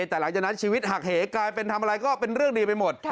แต่หลังจากนั้นชีวิตหักเหกลายเป็นทำอะไรก็เป็นเรื่องดีไปหมด